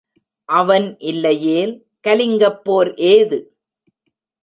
அவன் இல்லையேல், கலிங்கப் போர் ஏது?